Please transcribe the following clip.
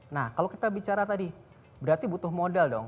nah kalau kita bicara tadi berarti butuh modal dong